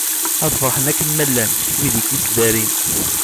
Ad ferḥen akken ma llan, wid i k-ittdarin.